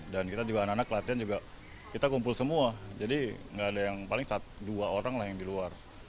dan kita juga anak anak latihan juga kita kumpul semua jadi gak ada yang paling dua orang lah yang di luar